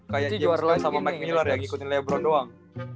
kayaknya dia sama mac miller yang ngikutin lebron doang